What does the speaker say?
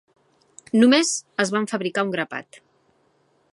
Només es van fabricar un grapat.